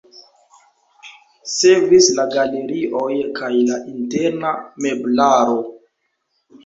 Sekvis la galerioj kaj la interna meblaro.